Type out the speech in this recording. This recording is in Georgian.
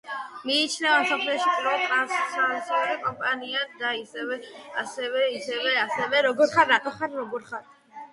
მიიჩნევა მსოფლიოში პირველ ტრანსნაციონალურ კომპანიად და ასევე პირველი კომპანიად რომელმაც აქციები გამოუშვა.